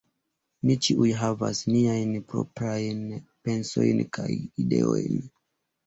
Ni ĉiuj havas niajn proprajn pensojn kaj ideojn.